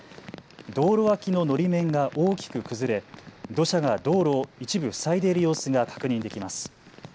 道路脇ののり面が大きく崩れ土砂が道路を一部塞いでいる様子が確認できます。